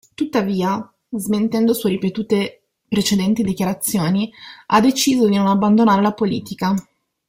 Tuttavia, smentendo sue ripetute precedenti dichiarazioni, ha deciso di non abbandonare la politica.